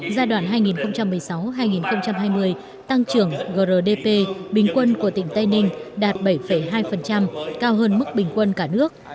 giai đoạn hai nghìn một mươi sáu hai nghìn hai mươi tăng trưởng grdp bình quân của tỉnh tây ninh đạt bảy hai cao hơn mức bình quân cả nước